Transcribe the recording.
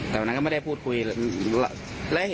แต่วันนั้นก็ไม่ได้พูดคุยว่า